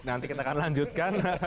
nanti kita akan lanjutkan